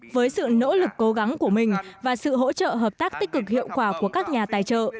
với sự nỗ lực cố gắng của mình và sự hỗ trợ hợp tác tích cực hiệu quả của các nhà tài trợ